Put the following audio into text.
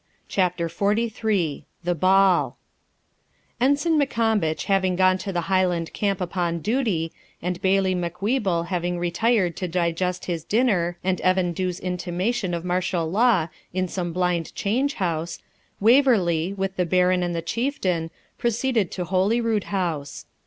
CHAPTER XLIII THE BALL Ensign MacCombich having gone to the Highland camp upon duty, and Bailie Macwheeble having retired to digest his dinner and Evan Dhu's intimation of martial law in some blind change house, Waverley, with the Baron and the Chieftain, proceeded to Holyrood House.